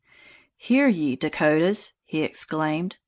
"Hear ye, Dakotas!" he exclaimed.